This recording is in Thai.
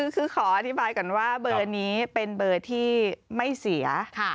คือขออธิบายก่อนว่าเบอร์นี้เป็นเบอร์ที่ไม่เสีย